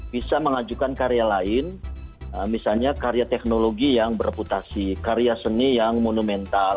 bisa mengajukan karya lain misalnya karya teknologi yang berputasi karya seni yang monumental